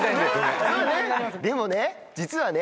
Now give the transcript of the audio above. でもね実はね